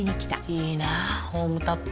いいなホームタップ。